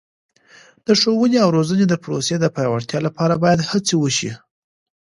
د ښوونې او روزنې د پروسې د پیاوړتیا لپاره باید هڅه وشي.